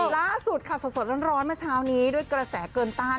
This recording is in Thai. ล่าสุดค่ะสดร้อนเมื่อเช้านี้ด้วยกระแสเกินต้าน